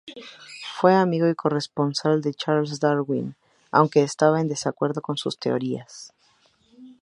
Fue amigo y corresponsal de Charles Darwin, aunque estaba en desacuerdo con sus teorías.